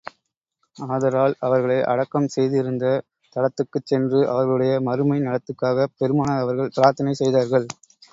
ஆதலால், அவர்களை அடக்கம் செய்திருந்த தலத்துக்குச் சென்று, அவர்களுடைய மறுமை நலத்துக்காகப் பெருமானார் அவர்கள் பிரார்த்தனை செய்தார்கள்.